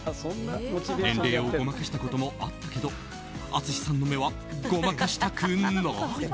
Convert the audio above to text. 年齢をごまかしたこともあったけど淳さんの目はごまかしたくない。